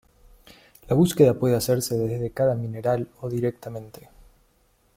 La búsqueda puede hacerse desde cada mineral o directamente.